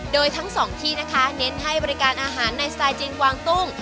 โดยทั้งสองที่นะคะเน้นให้บริการอาหารในสไตล์จีนวางตุ้ง